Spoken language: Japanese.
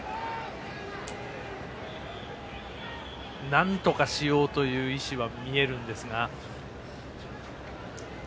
なんとかしようという意思は見えるんですが。